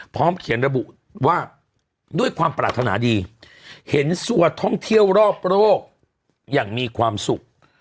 พร้อมเขียนระบุว่าด้วยความปรารถนาดีเห็นสัวท่องเที่ยวรอบโรคอย่างมีความสุข